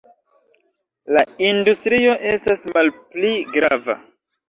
La industrio estas malpli grava.